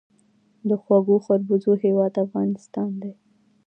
د خوږو خربوزو هیواد افغانستان.